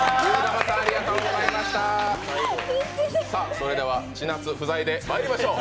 それでは、千夏不在でまいりましょう。